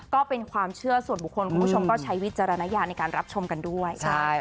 ก็เป็นความเชื่อส่วนบุคคลคุณผู้ชมก็ใช้วิจารณญาณในการรับชมกันด้วย